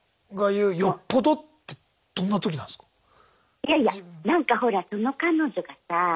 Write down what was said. いやいやなんかほらその彼女がさ